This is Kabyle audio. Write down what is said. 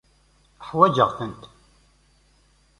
Ḥwaǧeɣ-tent.